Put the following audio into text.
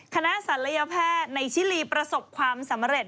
ศัลยแพทย์ในชิลีประสบความสำเร็จ